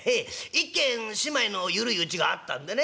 １軒締まりの緩いうちがあったんでね